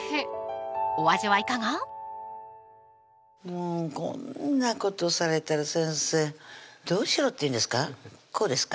もうこんなことされたら先生どうしろっていうんですかこうですか？